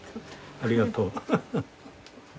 ありがとう。